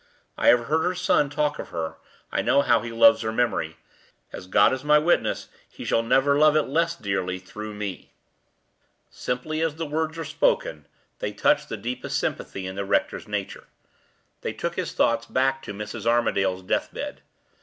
I have heard her son talk of her; I know how he loves her memory. As God is my witness, he shall never love it less dearly through me!" Simply as the words were spoken, they touched the deepest sympathies in the rector's nature: they took his thoughts back to Mrs. Armadale's deathbed.